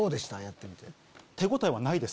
やってみて。